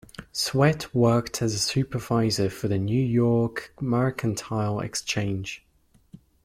Sweat worked as a supervisor for the New York Mercantile Exchange.